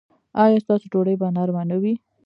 ایا ستاسو ډوډۍ به نرمه نه وي؟